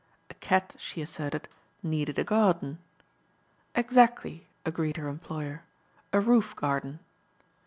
A cat, she asserted, needed a garden. "Exactly," agreed her employer, "a roof garden."